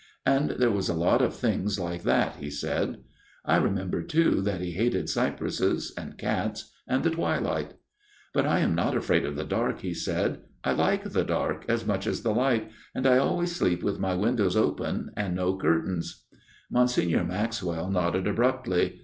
And there was a lot of things like that he said. I remember too that he hated cypresses and cats and the twilight. "' But I am not afraid of the dark/ he said. ' I like the dark as much as the light, and I always sleep with my windows open and no curtains/ ' Monsignor Maxwell nodded abruptly.